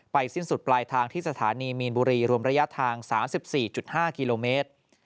สิ้นสุดปลายทางที่สถานีมีนบุรีรวมระยะทาง๓๔๕กิโลเมตร